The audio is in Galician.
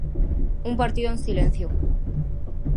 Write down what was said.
Un partido en silencio.